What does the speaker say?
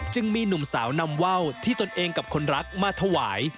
มีหนุ่มสาวนำว่าวที่ตนเองกับคนรักมาถวาย